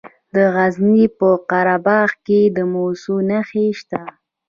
د غزني په قره باغ کې د مسو نښې شته.